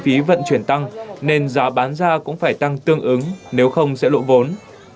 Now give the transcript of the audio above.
phí vận chuyển tăng nên giá bán ra cũng phải tăng tương ứng nếu không sẽ lỗ vốn